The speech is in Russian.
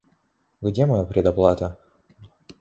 Где моя предоплата?